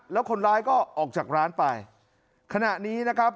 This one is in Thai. แล้วคนร้ายก็ออกจากร้านไปขณะนี้นะครับ